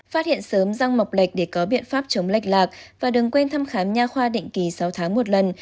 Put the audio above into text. phát hiện sớm răng mộc lệch để có biện pháp chống lệch lạc và đừng quên thăm khám nhà khoa định kỳ sáu tháng một lần